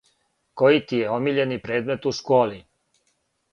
Који ти је омиљни предмет у школи?